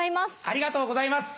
ありがとうございます。